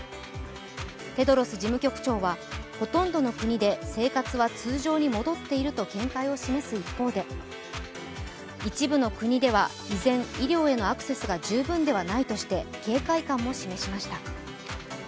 テドロス事務局長はほとんどの国で生活は通常に戻っていると見解を示す一方で一部の国では依然、医療へのアクセスが十分ではないとして警戒感も示しました。